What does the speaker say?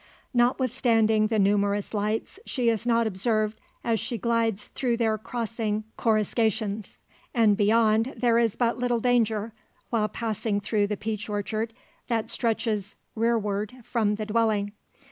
Notwithstanding the numerous lights, she is not observed as she glides through their crossing coruscations. And beyond, there is but little danger while passing through the peach orchard, that stretches rearward from the dwelling.